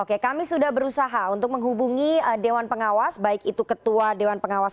oke kami sudah berusaha untuk menghubungi dewan pengawas baik itu ketua dewan pengawas